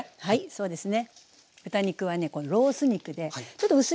そうですか。